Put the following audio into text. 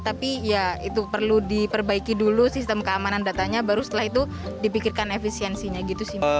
tapi ya itu perlu diperbaiki dulu sistem keamanan datanya baru setelah itu dipikirkan efisiensinya gitu sih